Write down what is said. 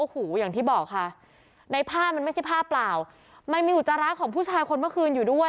โอ้โหอย่างที่บอกค่ะในผ้ามันไม่ใช่ผ้าเปล่ามันมีอุจจาระของผู้ชายคนเมื่อคืนอยู่ด้วย